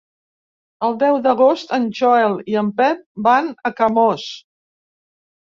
El deu d'agost en Joel i en Pep van a Camós.